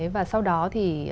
và sau đó thì